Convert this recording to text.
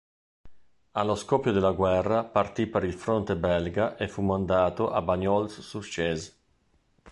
Allo scoppio della guerra partì per il fronte belga e fu mandato a Bagnols-sur-Cèze.